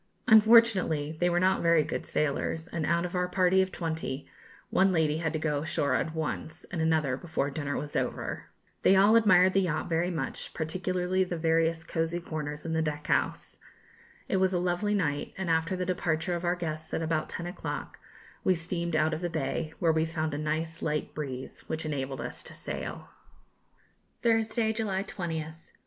Unfortunately they were not very good sailors, and, out of our party of twenty, one lady had to go ashore at once, and another before dinner was over. They all admired the yacht very much, particularly the various cozy corners in the deck house. It was a lovely night; and after the departure of our guests, at about ten o'clock, we steamed out of the bay, where we found a nice light breeze, which enabled us to sail. [Illustration: A Cozy Corner.] Thursday, July 20th.